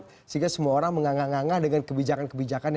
sehingga semua orang mengangah angah dengan kebijakan kebijakan